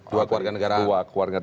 dua keluarga negaraan